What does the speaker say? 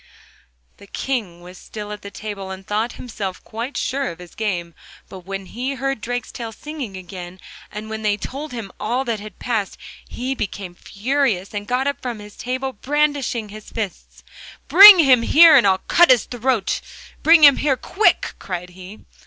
The King was still at table, and thought himself quite sure of his game; but when he heard Drakestail singing again, and when they told him all that had passed, he became furious and got up from table brandishing his fists. 'Bring him here, and I'll cut his throat! bring him here quick!' cried he.